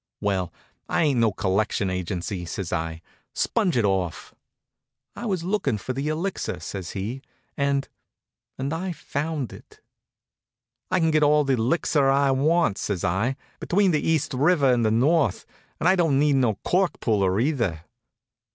"Well, I ain't no collection agency," says I. "Sponge it off." "I was looking for the Elixir," says he, "and and I found it." "I can get all the 'Lixir I want," says I, "between the East River and the North, and I don't need no cork puller, either."